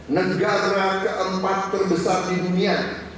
negara keempat terbesar di dunia